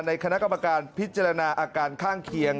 คณะกรรมการพิจารณาอาการข้างเคียง